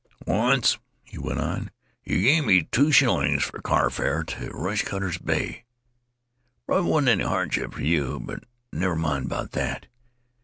'Once/ he went on, 'you gave me two shillings for car fare to Rush cutters' Bay. It probably wasn't any hardship on you, but never mind about that.